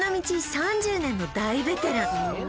３０年の大ベテラン